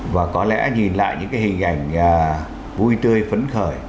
và có lẽ nhìn lại những cái hình ảnh vui tươi phấn khởi